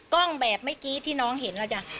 กล้องแบบเมื่อกี้ที่น้องเห็นแล้วจ้ะ